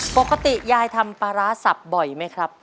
ปกติยายทำปลาร้าสับบ่อยไหมครับ